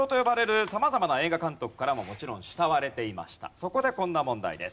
そこでこんな問題です。